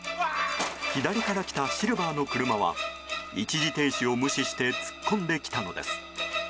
左から来たシルバーの車は一時停止を無視して突っ込んできたのです。